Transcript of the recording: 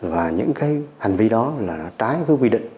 và những cái hành vi đó là nó trái với quy định